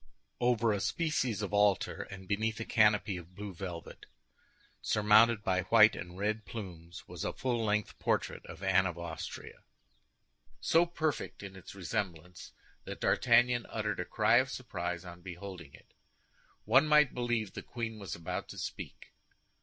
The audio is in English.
Over a species of altar, and beneath a canopy of blue velvet, surmounted by white and red plumes, was a full length portrait of Anne of Austria, so perfect in its resemblance that D'Artagnan uttered a cry of surprise on beholding it. One might believe the queen was about to speak.